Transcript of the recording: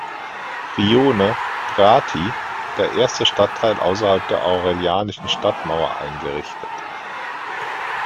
Rione "Prati" der erste Stadtteil außerhalb der Aurelianischen Stadtmauer eingerichtet.